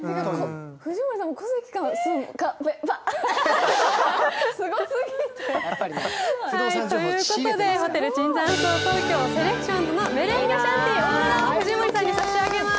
藤森さんも小関さんもすごすぎ。ということで、ホテル椿山荘東京セレクションズのメレンゲシャンテを藤森さんに差し上げます。